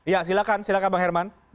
ya silahkan silakan bang herman